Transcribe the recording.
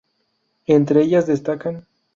Entre ellas destacan;